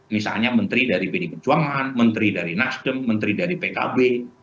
misalnya menteri dari bd pejuangan menteri dari nasdem menteri dari pkb